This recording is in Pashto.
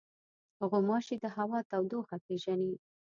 غوماشې د هوا تودوخه پېژني.